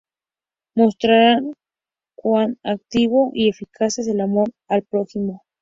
Mostrarán cuan activo y eficaz es el amor al prójimo.